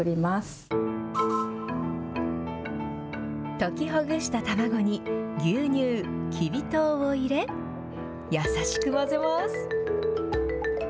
溶きほぐした卵に牛乳、きび糖を入れ、優しく混ぜます。